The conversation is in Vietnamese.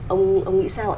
ông nghĩ sao ạ